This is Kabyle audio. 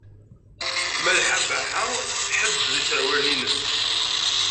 Malḥa Baḥa tḥedded iserwalen-nnes.